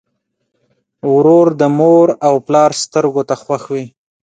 ورور د مور او پلار سترګو ته خوښ وي.